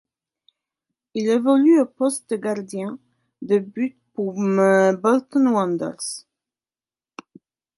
Il évolue au poste de gardien de but pour Bolton Wanderers.